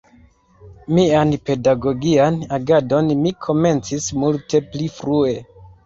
Mian pedagogian agadon mi komencis multe pli frue.